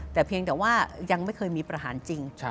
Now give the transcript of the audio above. แต่เพียงแต่ว่ายังไม่เคยมีประหารจริง